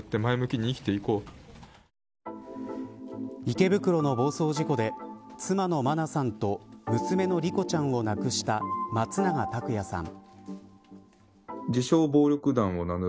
池袋の暴走事故で妻の真菜さんと娘の莉子ちゃんを亡くした松永拓也さん。